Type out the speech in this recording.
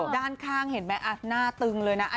ด้านข้างเห็นไหมหน้าตึงเลยนะ